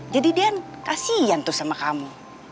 jadi dia kasian tuh sama kamu